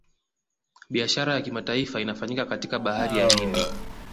Biashara ya kimataifa inafanyika katika bahari ya hindi